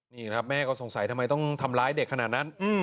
นี่ครับแม่ก็สงสัยทำไมต้องทำร้ายเด็กขนาดนั้น